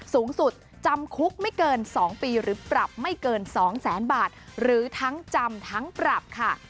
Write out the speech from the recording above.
สูงสุดจำคุกไม่เกิน๒ปีหรือปรับไม่เกิน๒แสนบาทหรือทั้งจำทั้งปรับค่ะ